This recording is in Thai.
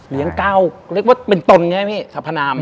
เรียง๙เล็กว่าเป็นตนใช่ไหมที่สะพานาม